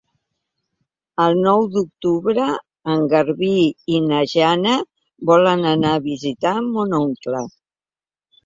El nou d'octubre en Garbí i na Jana volen anar a visitar mon oncle.